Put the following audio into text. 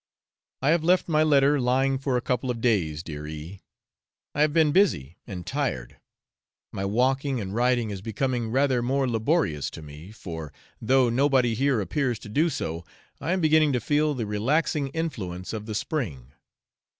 I have left my letter lying for a couple of days, dear E . I have been busy and tired; my walking and riding is becoming rather more laborious to me, for, though nobody here appears to do so, I am beginning to feel the relaxing influence of the spring.